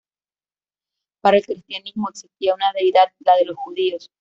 Para el cristianismo existía una deidad, la de los judíos.